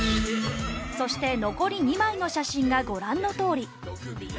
そして残り２枚の写真がご覧のとおり